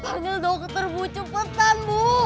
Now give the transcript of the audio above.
panggil dokter bu cepetan bu